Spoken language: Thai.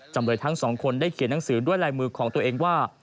จำเลยทั้งสองคนได้เขียนหนังสือด้วยลายมือของตัวเองว่า